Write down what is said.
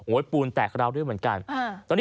ปูนแตกราวด้วยเหมือนกัน